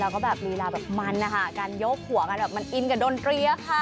แล้วก็แบบลีลาแบบมันนะคะการยกหัวกันแบบมันอินกับดนตรีอะค่ะ